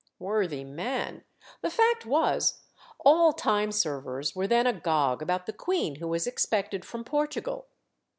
Worthy man! the fact was, all time servers were then agog about the queen who was expected from Portugal.